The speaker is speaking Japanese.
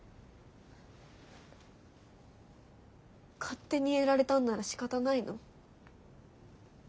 勝手にやられたんならしかたないの？